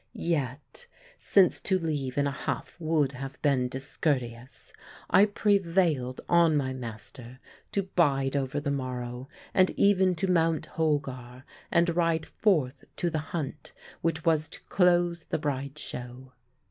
Yet since to leave in a huff would have been discourteous I prevailed on my master to bide over the morrow, and even to mount Holgar and ride forth to the hunt which was to close the Bride show.